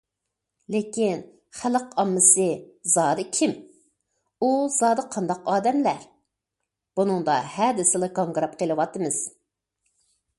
لېكىن خەلق ئاممىسى زادى كىم؟ ئۇ زادى قانداق ئادەملەر؟ بۇنىڭدا ھە دېسىلا گاڭگىراپ قېلىۋاتىمىز.